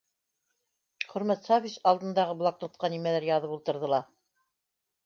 Хөрмәт Сафич алдындағы блокнотҡа нимәлер яҙып ултырҙы ла: